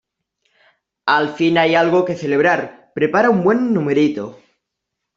al fin hay algo que celebrar. prepara un buen numerito .